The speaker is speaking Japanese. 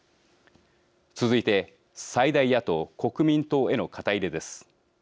続いて最大野党・国民党への肩入れです。